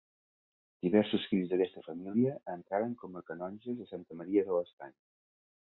Diversos fills d'aquesta família entraren com a canonges a Santa Maria de l'Estany.